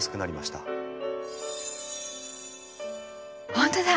本当だ！